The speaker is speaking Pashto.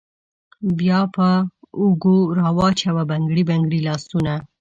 بیا په اوږو راوچوه بنګړي بنګړي لاسونه